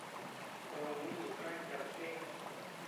ระวังเมื่ออยู่ใกล้จระเข้